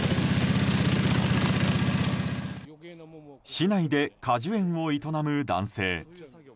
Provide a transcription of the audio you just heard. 市内で果樹園を営む男性。